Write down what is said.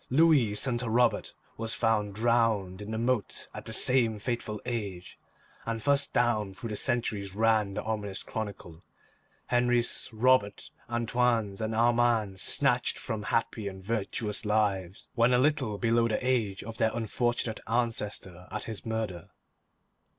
Louis, son to Robert, was found drowned in the moat at the same fateful age, and thus down through the centuries ran the ominous chronicle; Henris, Roberts, Antoines, and Armands snatched from happy and virtuous lives when a little below the age of their unfortunate ancestor at his murder.